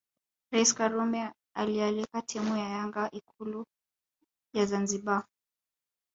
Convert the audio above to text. Rais Karume aliialika timu ya Yanga Ikulu ya Zanzibar